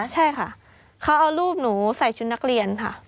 ใช่ค่ะเขาเอารูปหนูใส่ชุดนักเรียนค่ะ